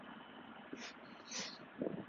目前效力于英超俱乐部切尔西。